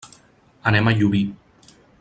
Anem a Llubí.